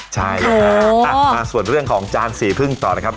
ใช่ครับมาส่วนเรื่องของจานสีพึ่งต่อนะครับ